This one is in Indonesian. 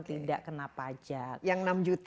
tidak kena pajak yang enam juta